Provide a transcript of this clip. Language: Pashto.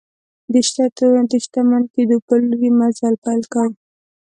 د شتمن کېدو په لور یې مزل پیل کړ.